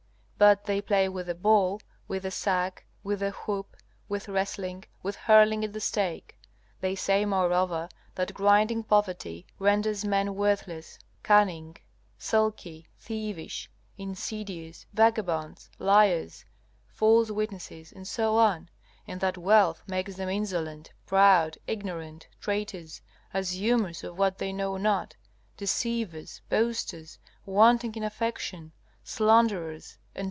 But they play with the ball, with the sack, with the hoop, with wrestling, with hurling at the stake. They say, moreover, that grinding poverty renders men worthless, cunning, sulky, thievish, insidious, vagabonds, liars, false witnesses, etc.; and that wealth makes them insolent, proud, ignorant, traitors, assumers of what they know not, deceivers, boasters, wanting in affection, slanderers, etc.